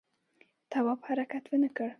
تواب حرکت ونه کړ.